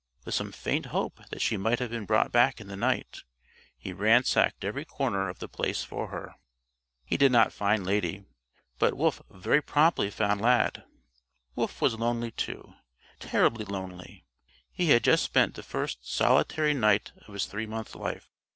With some faint hope that she might have been brought back in the night, he ransacked every corner of The Place for her. He did not find Lady. But Wolf very promptly found Lad. Wolf was lonely, too terribly lonely. He had just spent the first solitary night of his three month life.